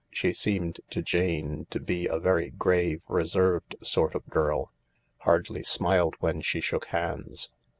She seemed to Jane to be a very grave, reserved sort of girl ; hardly smiled when she shook hands.